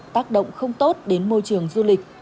tác động không tốt đến môi trường du lịch